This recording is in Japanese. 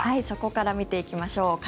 そこから見ていきましょう。